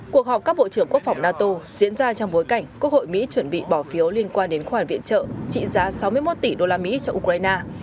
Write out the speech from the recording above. cuộc họp các bộ trưởng quốc phòng nato diễn ra trong bối cảnh quốc hội mỹ chuẩn bị bỏ phiếu liên quan đến khoản viện trợ trị giá sáu mươi một tỷ đô la mỹ cho ukraine